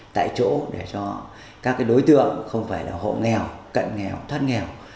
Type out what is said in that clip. tại chỗ để cho các đối tượng không phải là hộ nghèo cận nghèo thoát nghèo